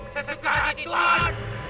sesuka hati tuhan